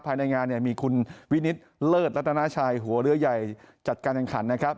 ภายในงานเนี่ยมีคุณวินิตเลิศรัตนาชัยหัวเรือใหญ่จัดการแข่งขันนะครับ